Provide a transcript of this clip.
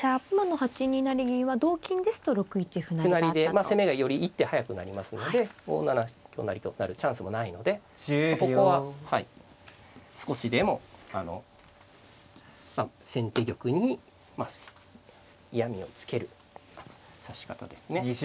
まあ攻めがより一手早くなりますので５七香成と成るチャンスもないのでここは少しでも先手玉に嫌みをつける指し方ですね。